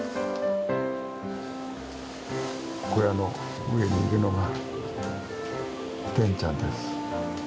小屋の上にいるのがテンちゃんです。